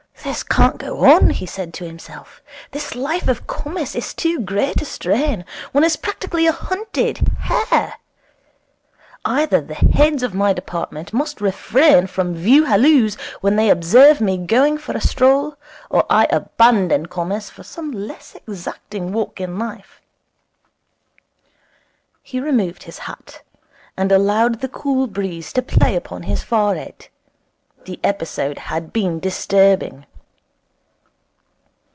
'This can't go on,' he said to himself. 'This life of commerce is too great a strain. One is practically a hunted hare. Either the heads of my department must refrain from View Halloos when they observe me going for a stroll, or I abandon Commerce for some less exacting walk in life.' He removed his hat, and allowed the cool breeze to play upon his forehead. The episode had been disturbing.